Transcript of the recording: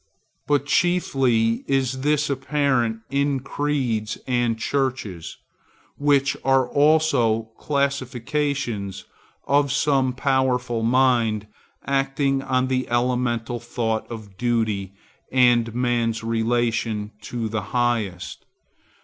But chiefly is this apparent in creeds and churches, which are also classifications of some powerful mind acting on the elemental thought of duty, and man's relation to the Highest.